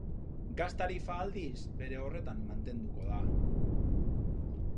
Gas tarifa, aldiz, bere horretan mantenduko da.